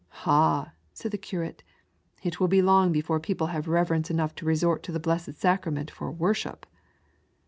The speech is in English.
Ah !" said the Curate, " it will be long before people have reverence enongh to resort to the Blessed Sacrament for worship."